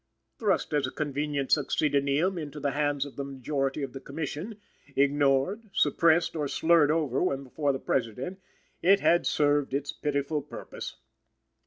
Thrust as a convenient succedaneum into the hands of the majority of the Commission, ignored, suppressed or slurred over when before the President, it had served its pitiful purpose.